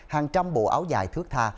hàng trăm bộ áo dài thước tha